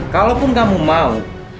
kalaupun kamu mau